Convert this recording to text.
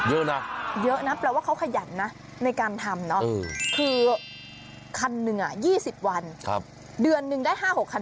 เยอะนะเยอะนะแปลว่าเขาขยันนะในการทำเนาะคือคันหนึ่ง๒๐วันเดือนหนึ่งได้๕๖คัน